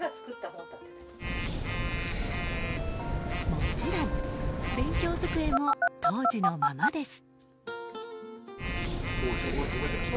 もちろん、勉強机も当時のままです。